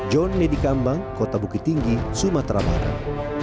john nedi kambang kota bukit tinggi sumatera barat